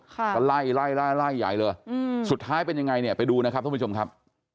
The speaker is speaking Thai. ก็ไล่ไล่ไล่ไล่ใหญ่เลยอืมสุดท้ายเป็นยังไงเนี่ยไปดูนะครับท่านผู้ชมครับ